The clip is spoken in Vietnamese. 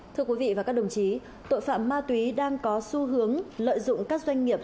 thưa quý vị và các đồng chí tội phạm ma túy đang có xu hướng lợi dụng các doanh nghiệp